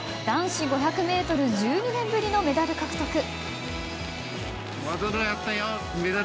男子５００ｍ１２年ぶりのメダル獲得。